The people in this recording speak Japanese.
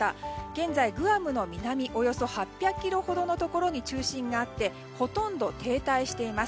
現在グアムの南およそ８００ｋｍほどのところに中心があってほとんど停滞しています。